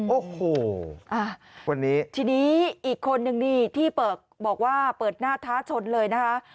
โอ้โหวันนี้ทีนี้อีกคนนึงนี่ที่เปิดบอกว่าเปิดหน้าท้าชนเลยนะคะ